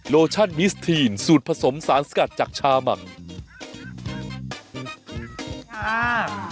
โลชั่นมิสทีนสูตรผสมสารสกัดจากชาหมัก